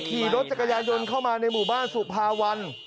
ขี่รถจักรยายนต์เข้ามาในหมู่บ้านสุภาวัน